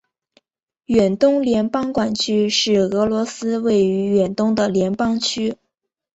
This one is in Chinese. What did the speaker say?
远东联邦管区是俄罗斯位于远东的联邦区。